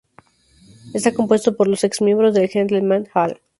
Está compuesto por los ex-miembros de Gentlemen Hall.